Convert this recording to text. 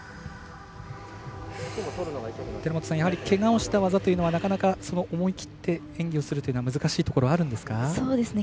やはりけがをした技というのはなかなか思い切って演技をするというのは難しいところはあるんですか？